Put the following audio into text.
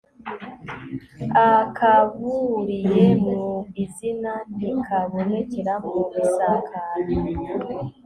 akaburiye mu isiza ntikabonekera mu isakara